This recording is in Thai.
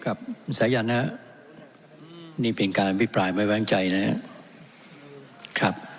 กับสายันนะครับนี่เป็นการอภิปรายไม่แว้งใจนะครับ